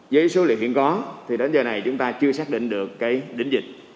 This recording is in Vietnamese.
với số liệu hiện có thì đến giờ này chúng ta chưa xác định được cái đỉnh dịch